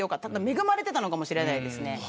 恵まれてたのかもしれないです。